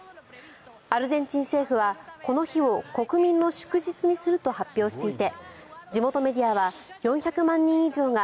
アルゼンチン政府は、この日を国民の祝日にすると発表していて地元メディアは４００万人以上が